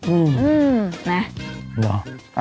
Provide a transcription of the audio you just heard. อืมนะ